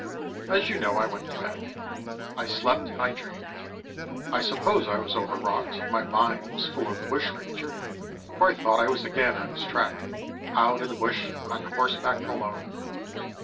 As you know I went to bed. I slept and I dreamed. I suppose I was over wrought, and my mind was full of the bushranger, for I thought I was again on his track, out in the bush, on horseback and alone.